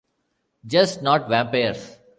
Just not vampires.